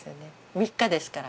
３日ですから。